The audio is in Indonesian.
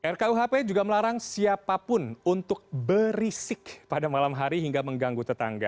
rkuhp juga melarang siapapun untuk berisik pada malam hari hingga mengganggu tetangga